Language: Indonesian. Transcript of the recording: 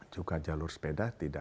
juga jalur sepeda tidak